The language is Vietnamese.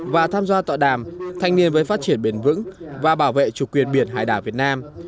và tham gia tọa đàm thanh niên với phát triển bền vững và bảo vệ chủ quyền biển hải đảo việt nam